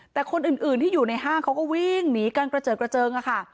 แต่คนอื่นที่อยู่ในห้างเขาก็วิ่งหนีกันกระเจิดกระเจิงอะค่ะ